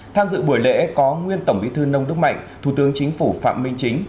tham dự buổi lễ có nguyên tổng bí thư nông đức mạnh thủ tướng chính phủ phạm minh chính